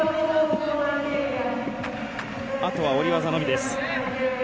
あとは下り技のみです。